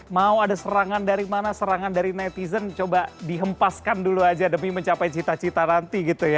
mau ada serangan dari mana serangan dari netizen coba dihempaskan dulu aja demi mencapai cita cita nanti gitu ya